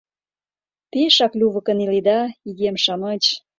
— Пешак лювыкын иледа, игем-шамыч.